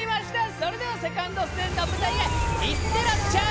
それではセカンドステージの舞台へ行ってらっしゃい！